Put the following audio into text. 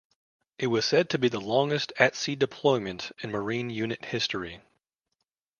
It was said to be the longest at-sea deployment in Marine unit history.